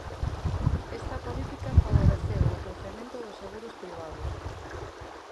Esta política favoreceu o crecemento do seguros privados.